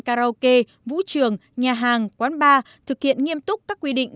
karaoke vũ trường nhà hàng quán bar thực hiện nghiêm túc các quy định